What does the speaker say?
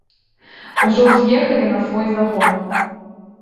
Ужо ўз'ехалі на свой загон.